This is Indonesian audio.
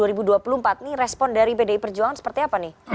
ini respon dari pdi perjuangan seperti apa nih